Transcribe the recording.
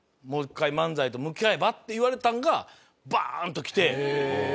もう１回漫才と向き合えば？」って言われたんがバン！と来て。